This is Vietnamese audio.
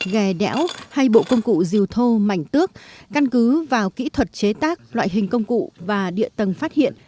ghe đẽo hay bộ công cụ rìu thô mảnh tước căn cứ vào kỹ thuật chế tác loại hình công cụ và địa tầng phát hiện